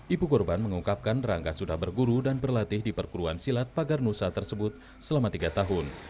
ibu korban mengungkapkan rangga sudah berguru dan berlatih di perguruan silat pagar nusa tersebut selama tiga tahun